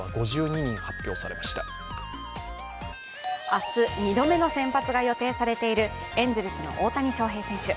明日２度目の先発が予定されているエンゼルスの大谷翔平選手。